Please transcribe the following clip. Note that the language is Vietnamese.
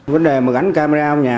vấn đề mà gắn camera ở nhà